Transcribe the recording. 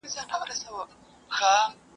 د نجونو ښوونه د ګډو هڅو پايداري زياتوي.